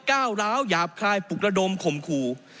ก้าวร้าวหยาบคายปลุกระดมข่มขู่